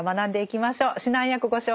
指南役ご紹介します。